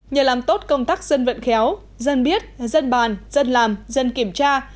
nhờ làm tốt công tác dân vận khéo dân biết dân bàn dân làm dân kiểm tra